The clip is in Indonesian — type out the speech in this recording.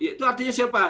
itu artinya siapa